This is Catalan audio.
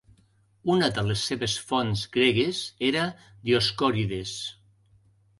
Una de les seves fonts gregues era Dioscòrides.